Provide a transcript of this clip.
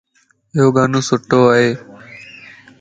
ايو ڳانو سٺو ائي.